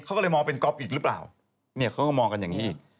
เขาก็เลยมองเป็นก๊อฟอีกหรือเปล่าเนี่ยเขาก็มองกันอย่างนี้